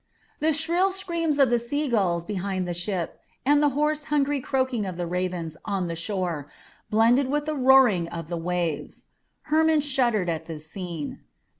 The shrill screams of the sea gulls behind the ship, and the hoarse, hungry croaking of the ravens on the shore blended with the roaring of the waves. Hermon shuddered at this scene.